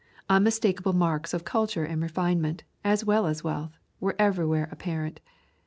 Unmistakable marks of culture and refinement, as well as wealth, were everywhere apparent.